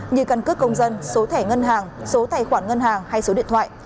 như căn cước công dân số thẻ ngân hàng số tài khoản ngân hàng hay số điện thoại